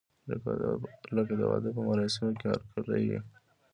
لکه د واده په مراسمو کې هرکلی وي.